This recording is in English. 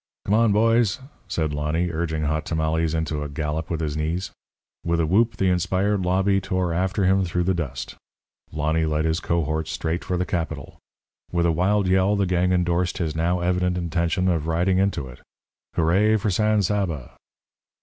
"Come on, boys," said Lonny, urging Hot Tomales into a gallop with his knees. With a whoop, the inspired lobby tore after him through the dust. Lonny led his cohorts straight for the Capitol. With a wild yell, the gang endorsed his now evident intention of riding into it. Hooray for San Saba!